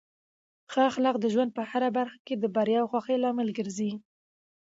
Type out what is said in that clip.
ښه اخلاق د ژوند په هره برخه کې د بریا او خوښۍ لامل ګرځي.